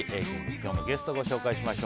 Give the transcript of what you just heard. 今日のゲストをご紹介しましょう。